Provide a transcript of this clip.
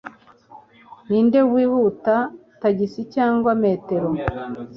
Ninde wihuta, tagisi cyangwa metero?